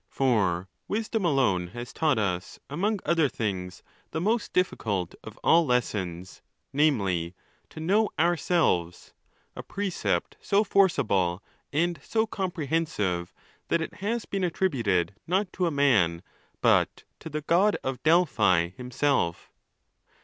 For wisdom alone has taught us, among other things, the most difficult of all lessons, namely, to know ourselves, a precept so forcible and so comprehensive, that it has been attributed not to a man, but to the God of Delphi himself.